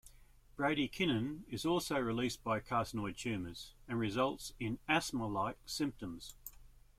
Bradykinin is also released by carcinoid tumors, and results in asthma-like symptoms.